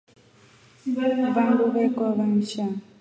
Vandu vevokova nshaa.